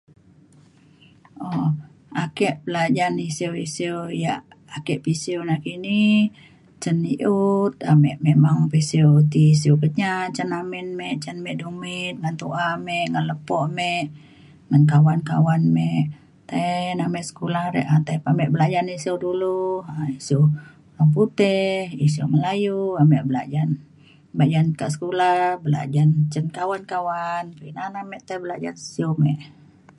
um ake belajan isiu isiu yak ake pisiu nakini cen i’ut ame memang pisiu ti isiu Kenyah cen amin me cen me dumit ngan tu’a me ngan lepo me ngan kawan kawan me tai na ame sekula re tai pa ame belajan isiu dulu um isiu orang putih isiu Melayu ame belajan. belajan kak sekula belajan cen kawan kawan pekina na ame belajan sio me